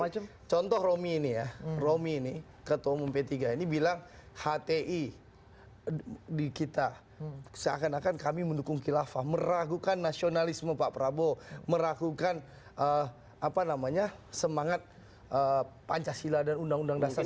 jadi contoh romi ini ya romi ini ketua umum p tiga ini bilang hti di kita seakan akan kami mendukung kilava meragukan nasionalisme pak prabowo meragukan apa namanya semangat pancasila dan undang undang dasar empat puluh lima